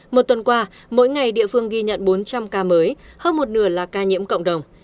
một tuần qua mỗi ngày địa phương ghi nhận bốn trăm linh ca mới hơn một nửa là ca nhiễm cộng đồng